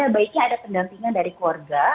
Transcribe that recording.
sebaiknya ada pendampingan dari keluarga